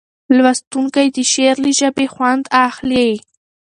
لوستونکی د شعر له ژبې خوند اخلي.